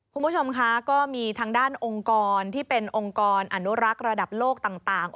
คุณผู้ชมคะก็มีทางด้านองค์กรที่เป็นองค์กรอนุรักษ์ระดับโลกต่าง